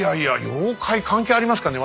妖怪関係ありますかね。